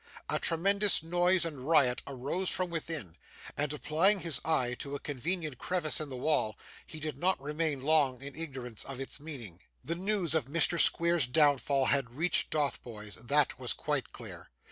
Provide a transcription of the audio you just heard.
A tremendous noise and riot arose from within, and, applying his eye to a convenient crevice in the wall, he did not remain long in ignorance of its meaning. The news of Mr. Squeers's downfall had reached Dotheboys; that was quite clear.